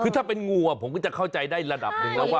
คือถ้าเป็นงูผมก็จะเข้าใจได้ระดับหนึ่งแล้วว่า